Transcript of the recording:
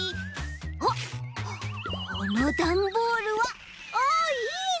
あっこのダンボールはあいいね！